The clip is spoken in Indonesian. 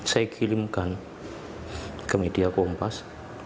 saya kirimkan ke media kompas